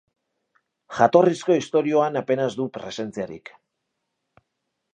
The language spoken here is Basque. Jatorrizko istorioan apenas du presentziarik.